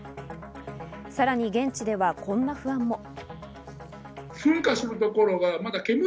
さらに現地ではこんな不安も。